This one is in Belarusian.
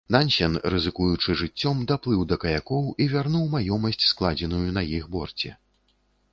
Нансен, рызыкуючы жыццём, даплыў да каякоў і вярнуў маёмасць, складзеную на іх борце.